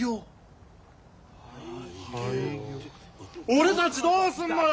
俺たちどうすんのよ！？